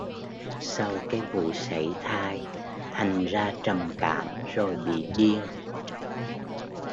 Sau cái vụ sảy thai thành ratrầm cảm rồi bị điên